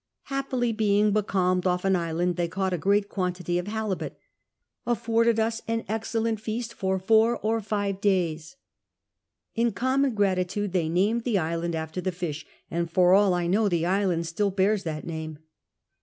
Happily, being becalmed off an island, they caught a great quantity of halibut — "afforded us an excellent feast for four or five days." In common gi'atitude tliey named the island after the fish, and for all 1 know the island still bears that name.